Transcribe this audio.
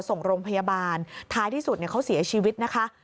ส่งโรงพยาบาลท้ายที่สุดเขาเสียชีวิตนะคะ